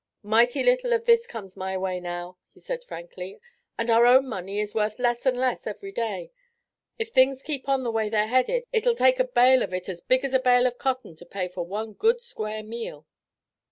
"Mighty little of this comes my way now," he said frankly, "and our own money is worth less and less every day. If things keep on the way they're headed it'll take a bale of it as big as a bale of cotton to pay for one good, square meal."